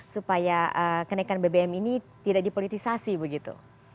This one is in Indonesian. supaya kenaikan bbm ini tidak dipolitisasi begitu